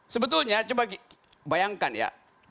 sebetulnya coba bayangkan ya